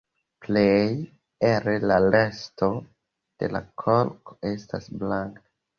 Plej el la resto de la korpo estas blanka.